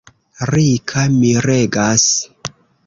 Rika miregas.